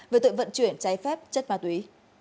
về tội vận chuyển cháy phép chất ma túy